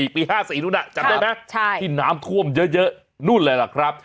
ปี๕๔นู่นจำได้ไหมที่น้ำท่วมเยอะนู่นเลยล่ะครับ